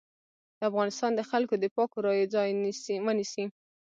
د افغانستان د خلکو د پاکو رايو ځای ونيسي.